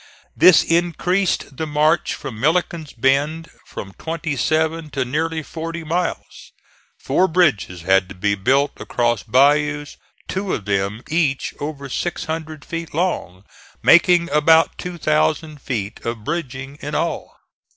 This increased the march from Milliken's Bend from twenty seven to nearly forty miles. Four bridges had to be built across bayous, two of them each over six hundred feet long, making about two thousand feet of bridging in all.